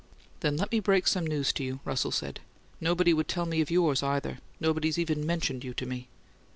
"Then let me break some news to you," Russell said. "Nobody would tell me of yours, either. Nobody's even mentioned you to me."